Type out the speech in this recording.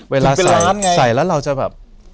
เวลาใส่ใส่แล้วเราจะแบบ